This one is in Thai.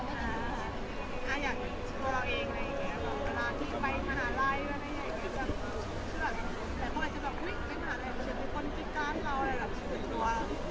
อ่า